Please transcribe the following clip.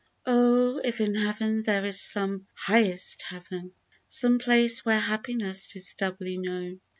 Oh ! if in Heav'n there is some highest Heaven, Some place where happiness is doubly known.